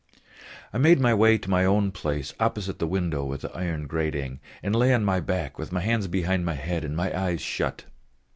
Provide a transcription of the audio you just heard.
I made my way to my own place opposite the window with the iron grating, and lay on my back with my hands behind my head and my eyes shut.